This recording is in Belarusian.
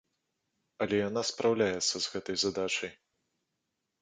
Але яна спраўляецца з гэтай задачай.